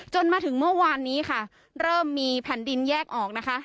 มาถึงเมื่อวานนี้ค่ะเริ่มมีแผ่นดินแยกออกนะคะ